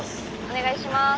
お願いします。